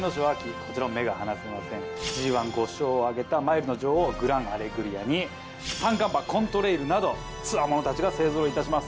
こちらも目が離せませんＧⅠ５勝をあげたマイルの女王グランアレグリアに三冠馬コントレイルなどつわものたちが勢揃いいたします